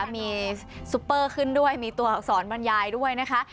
มีซุปเปอร์ขึ้นด้วยมีตัวอักษรบรรยายด้วยนะคะ